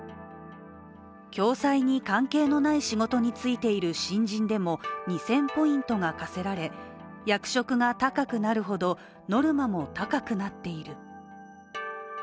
共済に関係のない仕事に就いている新人でも２０００ポイントが課せられ役職が高くなるほどノルマも高くなっている。